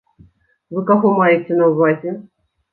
Вы каго маеце на ўвазе?!